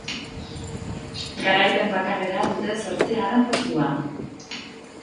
Garaipen bakarrera dute zortzigarren postua.